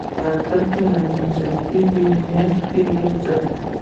پردې کله مینځئ؟ میاشت کې یوځل